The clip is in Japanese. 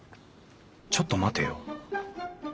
ちょっと待てよ。